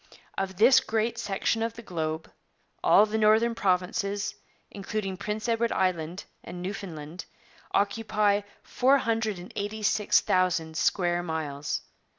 Of this great section of the globe, all the northern provinces, including Prince Edward Island and Newfoundland, occupy but 486,000 square miles.